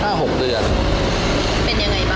เป็นอย่างไรบ้างครับ